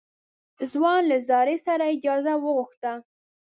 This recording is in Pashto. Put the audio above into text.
ځوان له زاړه سړي اجازه وغوښته.